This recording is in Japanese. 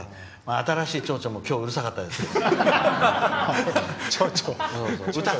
新しい町長も今日、うるさかったですけど。